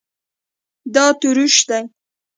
دا تروش دی